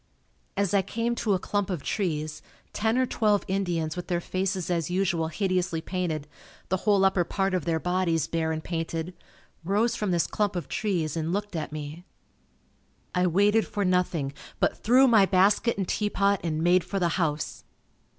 As I came to a clump of trees, ten or twelve Indians with their faces as usual hideously painted, the whole upper part of their bodies bare and painted, rose from this clump of trees and looked at me. I waited for nothing, but threw my basket and teapot and made for the house.